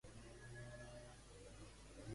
Què li agradaria fer més a Pisarello?